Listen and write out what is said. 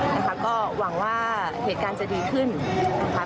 นะคะก็หวังว่าเหตุการณ์จะดีขึ้นนะคะ